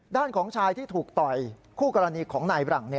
ด้านของชายที่ถูกต่อยคู่กรณีของนายบรัง